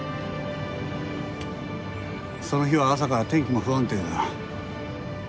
その日は朝から天気も不安定でな。